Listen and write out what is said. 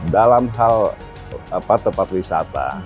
dalam hal tempat wisata